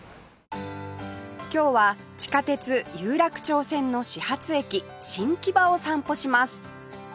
今日は地下鉄有楽町線の始発駅新木場を散歩します